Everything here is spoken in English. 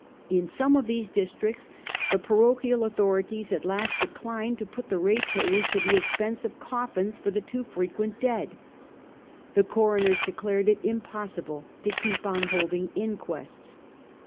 In some of these districts the parochial authorities at last de clined to put the ratepayers to the expense of coffins for the too frequent dead. The coroners declared it impossible to keep on holding inquests.